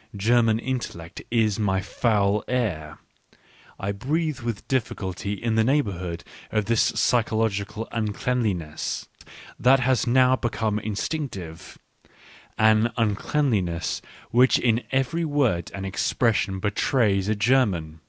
" German intellect " is my foul air : I breathe with difficulty in the neighbourhood of this psychological uncleanliness that has now become instinctive — an uncleanliness which in every word and expression betrays a German.